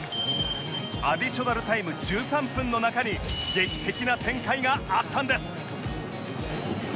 アディショナルタイム１３分の中に劇的な展開があったんです